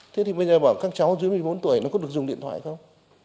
thế thì bây giờ bảo các cháu dưới một mươi bốn tuổi nó có được dùng điện thoại không